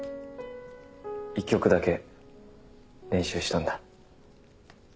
１曲だけ練習したんだ。